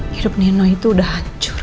hidup neno itu udah hancur